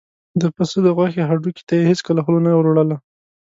د پس د غوښې هډوکي ته یې هېڅکله خوله نه وروړله.